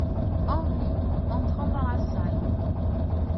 HENRI, entrant dans la salle.